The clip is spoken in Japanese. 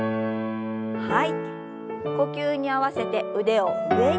呼吸に合わせて腕を上に。